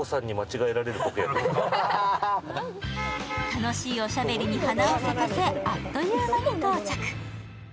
楽しいおしゃべりに花を咲かせあっという間に到着。